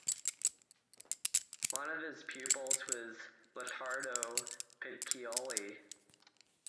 One of his pupils was Litardo Piccioli.